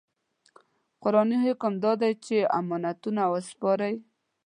قرآني حکم دا دی چې امانتونه وسپارئ.